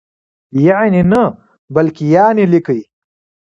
یعني نه بلکې یانې لیکئ!